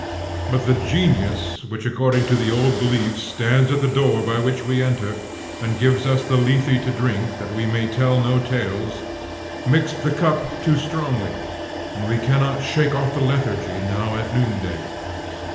But the Genius which according to the old belief stands at the door by which we enter, and gives us the lethe to drink, that we may tell no tales, mixed the cup too strongly, and we cannot shake off the lethargy now at noonday.